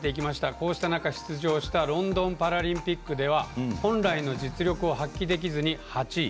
こうした中、出場したロンドンパラリンピックでは本来の実力を発揮できずに８位。